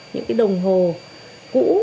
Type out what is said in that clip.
những cái đồng hồ cũ